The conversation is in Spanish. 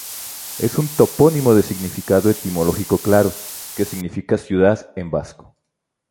Es un topónimo de significado etimológico claro que significa "ciudad" en vasco.